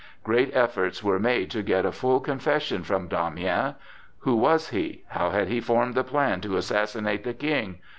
Great efforts were made to get a full confession from Damiens. Who was he? How had he formed the plan to assassinate the King?